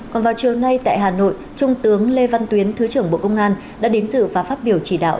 còn vào chiều nay tại hà nội trung tướng lê văn tuyến thứ trưởng bộ công an đã đến dự và phát biểu chỉ đạo